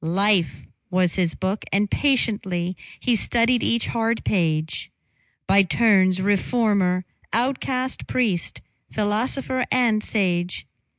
Life was his book, and patiently He studied each hard page; By turns reformer, outcast, priest, Philosopher and sage.